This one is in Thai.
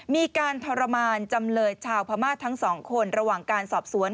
มีการทรมานจำเลยชาวพม่าทั้งสองคนระหว่างการสอบสวน